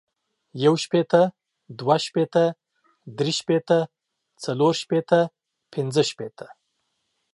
يو شپيته ، دوه شپيته ،دري شپیته ، څلور شپيته ، پنځه شپيته،